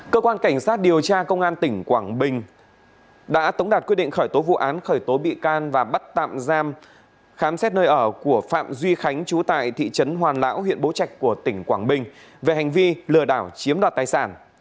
cơ quan cảnh sát điều tra công an tỉnh quảng bình đã tống đạt quyết định khởi tố vụ án khởi tố bị can và bắt tạm giam khám xét nơi ở của phạm duy khánh chú tại thị trấn hoàn lão huyện bố trạch của tỉnh quảng bình về hành vi lừa đảo chiếm đoạt tài sản